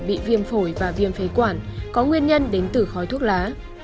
bị viêm phổi và viêm phế quản có nguyên nhân đến từ khói thuốc lá